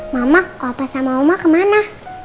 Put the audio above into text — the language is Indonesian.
mama opa sama oma kemana